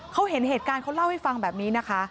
เขาเห็นเหตุการณ์เขาเล่าให้ฟังแบบนี้นะคะ